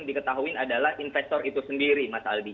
yang diketahuin adalah investor itu sendiri mas albi